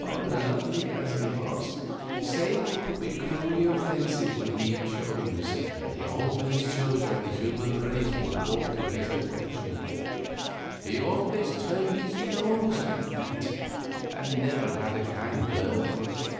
Lovely as he was, Satan could be cruelly offensive when he chose; and he always chose when the human race was brought to his attention. He always turned up his nose at it, and never had a kind word for it.